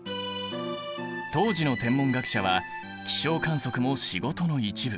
当時の天文学者は気象観測も仕事の一部。